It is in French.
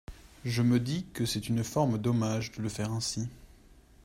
Je me dis que c’est une forme d’hommage de le faire ainsi.